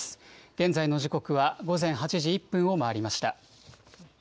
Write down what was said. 現在の時刻は午前８時１分を回りました。